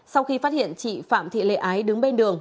sau khi phát hiện chị phạm thị lệ ái đứng bên đường